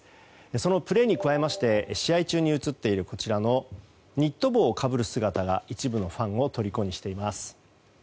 そのプレーに加えまして試合中に映っているこちらのニット帽をかぶる姿が一部のファンを虜にしています。